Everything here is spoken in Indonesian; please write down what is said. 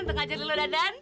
untuk ngajarin lo dadan